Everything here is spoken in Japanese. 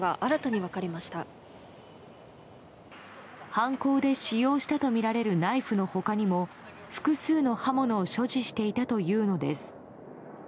犯行で使用したとみられるナイフの他にも複数の刃物を所持していたというのです。